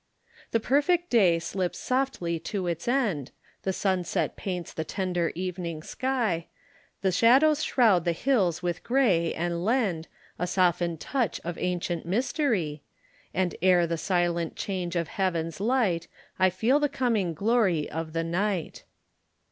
"The perfect day slips softly to its end, The sunset paints the tender evening sky, The shadows shroud the hills with gray, and lend A softened touch of ancient mystery, And ere the silent change of heaven's light I feel the coming glory of the night.